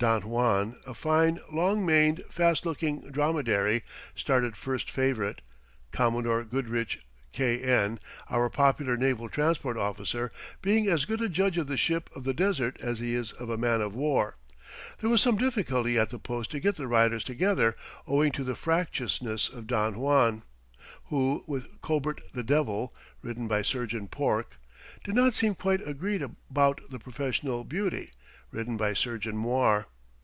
Don Juan, a fine, long maned, fast looking dromedary, started first favorite, Commodore Goodridge, K. N., our popular naval transport officer, being as good a judge of the ship of the desert as he is of a man of war. There was some difficulty at the post to get the riders together, owing to the fractiousness of Don Juan, who, with Kobert the Devil (ridden by Surgeon Porke), did not seem quite agreed about the Professional Beauty (ridden by Surgeon Moir).